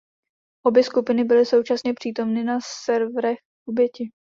Obě skupiny byly současně přítomny na serverech oběti.